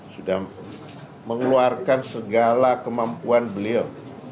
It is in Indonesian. sudah mengeluarkan segala kemampuan beliau